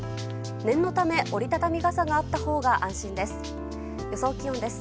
念のため、折り畳み傘があったほうが安心です。